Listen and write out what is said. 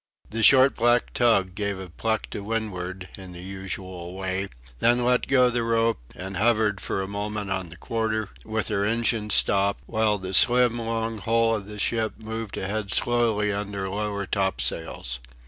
The short black tug gave a pluck to windward, in the usual way, then let go the rope, and hovered for a moment on the quarter with her engines stopped; while the slim, long hull of the ship moved ahead slowly under lower topsails.